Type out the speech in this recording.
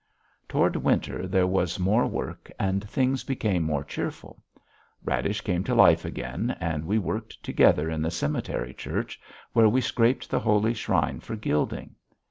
Toward winter there was more work and things became more cheerful. Radish came to life again and we worked together in the cemetery church, where we scraped the holy shrine for gilding.